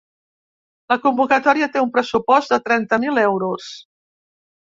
La convocatòria té un pressupost de trenta mil euros.